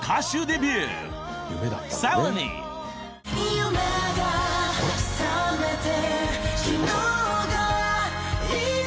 夢がさめて